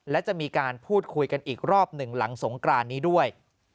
และจะมีการพูดคุยกันอีกรอบหนึ่งหลังสงกรานนี้ด้วย